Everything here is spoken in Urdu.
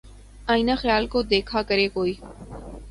آئینۂ خیال کو دیکھا کرے کوئی